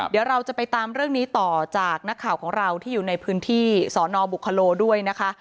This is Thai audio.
เดี๋ยวเราจะไปตามเรื่องนี้ต่อจากนักข่าวของเราที่อยู่ในพื้นที่สอนอบุคโลด้วยนะคะ